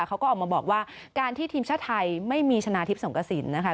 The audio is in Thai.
เขาก็ออกมาบอกว่าการที่ทีมชาติไทยไม่มีชนะทิพย์สงกระสินนะคะ